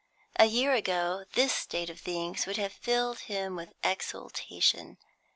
A year ago, this state of things would have filed him with exultation.